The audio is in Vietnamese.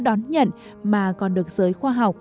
đón nhận mà còn được giới khoa học